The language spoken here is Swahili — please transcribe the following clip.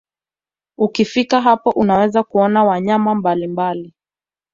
Ukifika hapo unaweza kuona wanyama mbalimbali